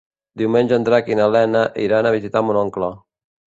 Diumenge en Drac i na Lena iran a visitar mon oncle.